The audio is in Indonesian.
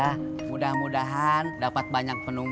ya mudah mudahan dapat banyak penumpang